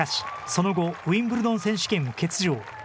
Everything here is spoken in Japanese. その後ウィンブルドン選手権を欠場。